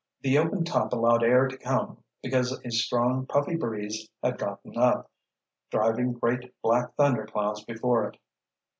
The open top allowed air to come because a strong, puffy breeze had gotten up, driving great, black thunderclouds before it.